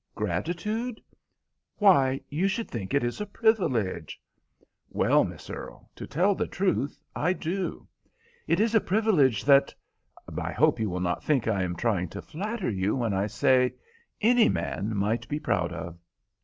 "Gratitude? Why, you should think it a privilege." "Well, Miss Earle, to tell the truth, I do. It is a privilege that—I hope you will not think I am trying to flatter you when I say—any man might be proud of."